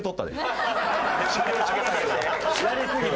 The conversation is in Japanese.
やりすぎて？